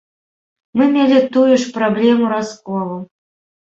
Мы мелі тую ж праблему расколу.